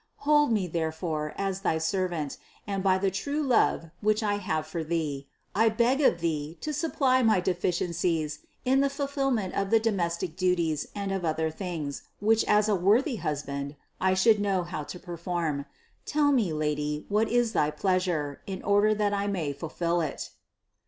Hold me, therefore, as thy servant, and by the true love which I have for thee, I beg of thee to supply my deficiencies in the fulfillment of the domestic duties and of other things, which as a worthy husband, I should know how to perform ; tell me, Lady, what is thy pleas ure, in order that I may fulfill it."